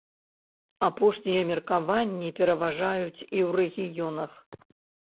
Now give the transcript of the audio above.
Апошнія меркаванні пераважаюць і ў рэгіёнах.